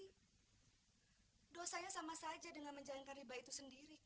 hai dosanya sama saja dengan menjalankan riba itu sendiri kang